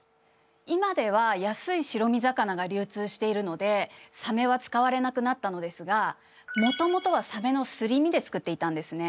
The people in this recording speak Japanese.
今では安い白身魚が流通しているのでサメは使われなくなったのですがもともとはサメのすり身で作っていたんですね。